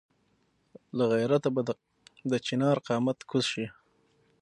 له غیرته به د چنار قامت کږ شي.